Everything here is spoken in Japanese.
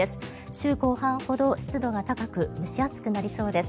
週後半ほど湿度が高く蒸し暑くなりそうです。